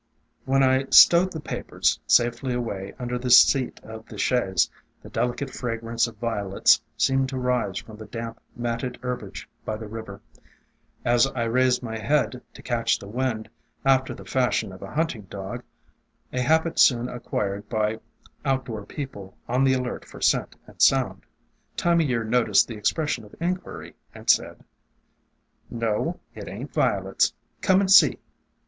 When I stowed the papers safely away under the seat of the chaise, the delicate fragrance of Violets seemed to rise from the damp, matted herbage by the river. As I raised my head to catch the wind, after the fashion of a hunting dog, a habit soon ac quired by outdoor people on the alert for scent and sound, Time o' Year noticed the expression of inquiry, and said, "No, it ain't Violets. Come and see!